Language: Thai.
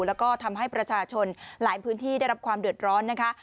แล้วก็ทำให้ประชาชนหลายพื้นที่ได้รับความเดือดร้อนนะคะ